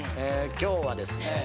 今日はですね。